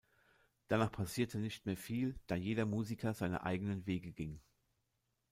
Danach passierte nicht mehr viel, da jeder Musiker seine eigenen Wege ging.